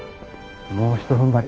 もうひとふんばり。